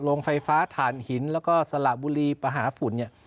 โรงไฟฟ้าถ่านหินแล้วก็สละบุรีประหาฝุ่น